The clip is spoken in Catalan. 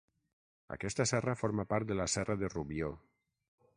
Aquesta serra forma part de la Serra de Rubió.